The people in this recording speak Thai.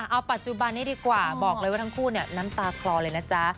เอาปัจจุบันนี้ดีกว่าบอกเลยว่าทั้งคู่เนี่ยน้ำตาคลอเลยนะจ๊ะ